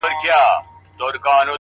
لوړ هدفونه اوږد استقامت غواړي!